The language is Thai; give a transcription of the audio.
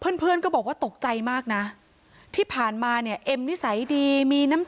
แต่ก็เหมือนกับว่าจะไปดูของเพื่อนแล้วก็ค่อยทำส่งครูลักษณะประมาณนี้นะคะ